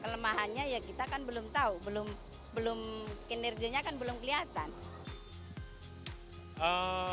kelemahannya ya kita kan belum tahu belum kinerjanya kan belum kelihatan